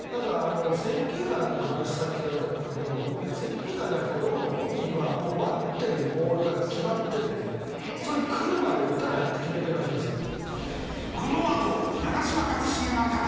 選球眼の話さっきされてたんだけど選球眼じゃなくてどうも本人は待ってるボールが決まっててそれがくるまで打たないって決めてるらしいんですよ。